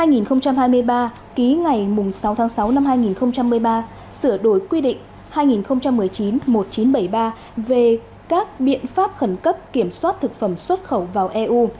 năm hai nghìn hai mươi ba ký ngày sáu tháng sáu năm hai nghìn một mươi ba sửa đổi quy định hai nghìn một mươi chín một nghìn chín trăm bảy mươi ba về các biện pháp khẩn cấp kiểm soát thực phẩm xuất khẩu vào eu